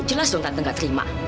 jelas dong tante gak terima